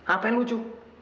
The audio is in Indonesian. apa yang lucu